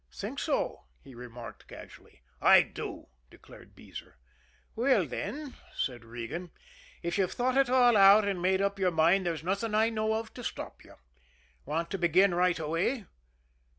"Think so?" he remarked casually. "I do," declared Beezer. "Well, then," said Regan, "if you've thought it all out and made up your mind, there's nothing I know of to stop you. Want to begin right away?"